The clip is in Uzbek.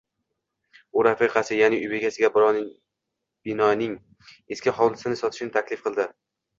U rafiqasi, ya`ni uy bekasiga binoning eski hovlisini sotishni taklif qildi